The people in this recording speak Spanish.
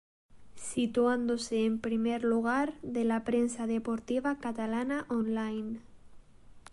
Situándose en primer lugar de la prensa deportiva catalana online.